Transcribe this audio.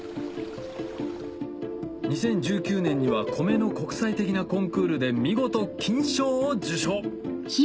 ２０１９年には米の国際的なコンクールで見事金賞を受賞